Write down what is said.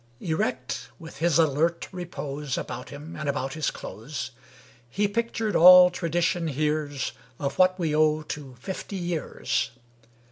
Erect, with his alert repose About him, and about his clothes, He pictured all tradition hears Of what we owe to fifty years.